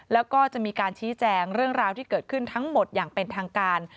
แล้วก็จะมีการชี้แจงเรื่องราวที่เกิดขึ้นทั้งหมดอย่างเป็นทางการ